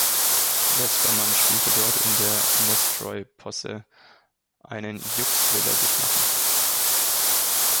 Vespermann spielte dort in der Nestroy–Posse "Einen Jux will er sich machen".